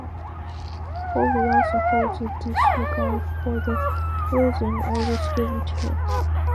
Holly also holds a disregard for the rules and orders given to her.